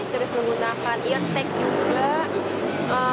terus menggunakan eartech juga